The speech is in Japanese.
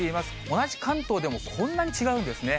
同じ関東でもこんなに違うんですね。